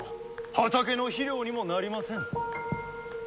畑の肥料にもなりません。